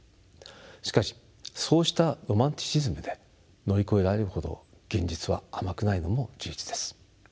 しかしそうしたロマンチシズムで乗り越えられるほど現実は甘くないのも事実です。